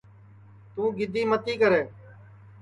توں گیدی متی کرے